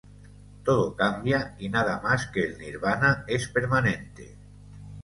Todo cambia y nada más que el Nirvana es permanente.